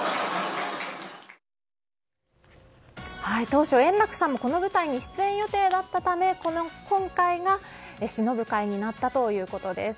当初、円楽さんもこの舞台に出演予定だったため今回がしのぶ会になったということです。